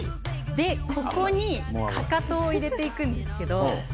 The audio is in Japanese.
でここにかかとを入れていくんですけど。